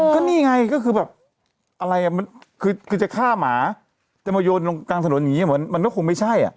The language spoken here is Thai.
ก็นี่ไงก็คือแบบอะไรอ่ะมันคือจะฆ่าหมาจะมาโยนลงกลางถนนอย่างนี้เหมือนมันก็คงไม่ใช่อ่ะ